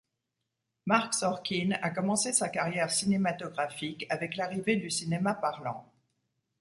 Marc Sorkin a commencé sa carrière cinématographique avec l'arrivée du cinéma parlant.